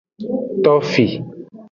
Tofi.